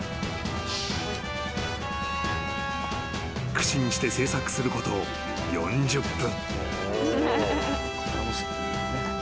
［苦心して製作すること４０分］